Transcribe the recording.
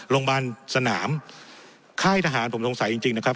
โรงพยาบาลสนามค่ายทหารผมสงสัยจริงจริงนะครับ